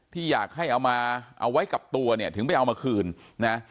ที่อยากให้เอามาเอาไว้กับตัวเนี่ยถึงไปเอามาคืนนะ